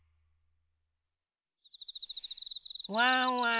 ・ワンワン